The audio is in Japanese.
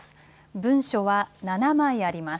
文書は７枚あります。